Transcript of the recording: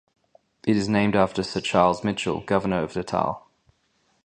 It is named after Sir Charles Mitchell, governor of Natal.